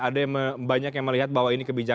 ada yang banyak yang melihat bahwa ini kebijakan